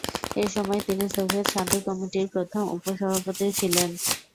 এসময় তিনি সোভিয়েত শান্তি কমিটির প্রথম উপ-সভাপতিও ছিলেন।